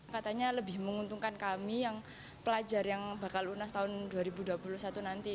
katanya lebih menguntungkan kami yang pelajar yang bakal lunas tahun dua ribu dua puluh satu nanti